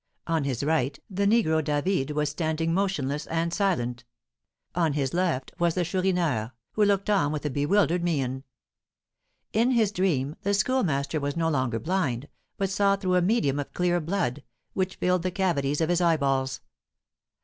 On his right the negro David was standing motionless and silent; on his left was the Chourineur, who looked on with a bewildered mien. In his dream the Schoolmaster was no longer blind, but saw through a medium of clear blood, which filled the cavities of his eyeballs.